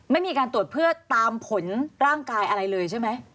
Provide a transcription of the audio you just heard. ไม่มีการตรวจเพื่อตามผลร่างกายอะไรเลยใช่ไหม